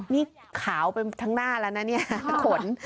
นี่ขาวไปทั้งหน้าแล้วนะเนี่ยขน